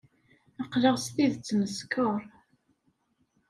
Aql-aɣ s tidet neskeṛ.